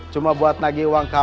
cuma buat nagih uang